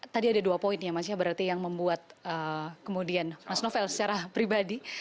tadi ada dua poin ya mas ya berarti yang membuat kemudian mas novel secara pribadi